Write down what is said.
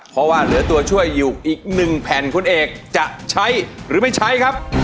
เพราะว่าเหลือตัวช่วยอยู่อีก๑แผ่นคุณเอกจะใช้หรือไม่ใช้ครับ